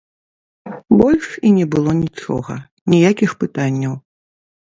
Больш і не было нічога, ніякіх пытанняў.